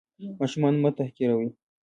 ماشومان مه تحقیروئ.